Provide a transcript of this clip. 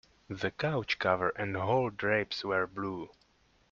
The couch cover and hall drapes were blue.